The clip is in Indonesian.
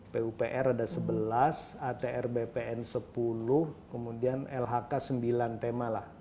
pupr ada sebelas atr bpn sepuluh kemudian lhk sembilan tema lah